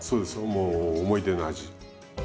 もう思い出の味。